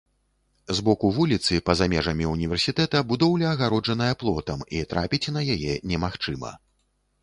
З боку вуліцы, па-за межамі ўніверсітэта, будоўля агароджаная плотам, і трапіць на яе немагчыма.